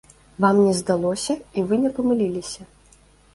Вам не здалося і вы не памыліліся.